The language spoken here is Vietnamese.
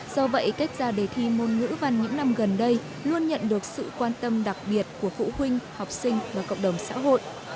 do vậy cách ra đề thi môn ngữ văn những năm gần đây luôn nhận được sự quan tâm đặc biệt của phụ huynh học sinh và cộng đồng xã hội